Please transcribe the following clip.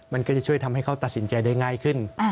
มันก็จะช่วยทำให้เขาตัดสินใจได้ง่ายขึ้น